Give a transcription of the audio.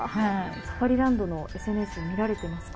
サファリランドのＳＮＳ見られてますか？